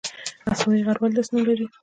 اسمايي غر ولې داسې نوم لري؟